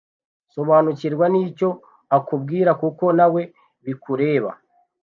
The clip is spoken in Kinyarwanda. Sobanukirwa n’icyo akubwira kuko nawe bikureba: